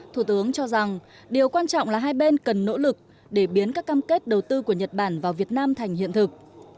thủ tướng cho rằng điều quan trọng là hai bên cần nỗ lực để biến các cam kết đầu tư của nhật bản vào việt nam thành hiện thực